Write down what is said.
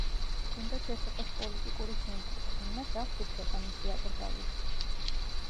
თუნდაც ეს იყოს პოლიტიკური სიმბოლო, ვინმეს აქვს უფლება მისი აკრძალვის?